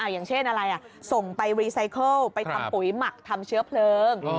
อย่างเช่นอะไรส่งไปรีไซเคิลไปทำปุ๋ยหมักทำเชื้อเพลิง